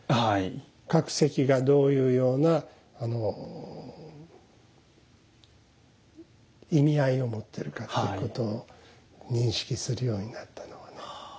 各席がどういうような意味合いを持ってるかっていうことを認識するようになったのは。